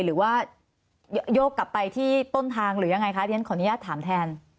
หรือว่าโยกกลับไปที่ต้นทางหรือยังไงคะเรียนขออนุญาตถามแทน